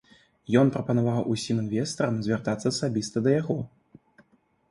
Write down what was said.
Ён прапанаваў усім інвестарам звяртацца асабіста да яго.